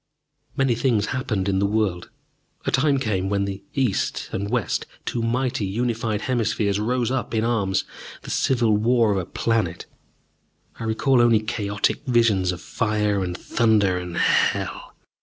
Many things happened in the world. A time came when the East and West, two mighty unified hemispheres, rose up in arms: the civil war of a planet. I recall only chaotic visions of fire and thunder and hell.